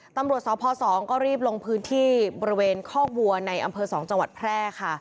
ตำรวจสพ๒ก็รีบลงพื้นที่บริเวณคอกวัวในอำเภอ๒จังหวัดแพร่ค่ะ